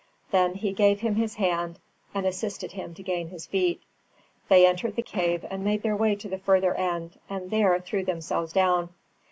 Then he gave him his hand, and assisted him to gain his feet. They entered the cave and made their way to the further end, and there threw themselves down.